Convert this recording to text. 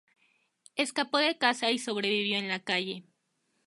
Escapó de casa y sobrevivió en la calle.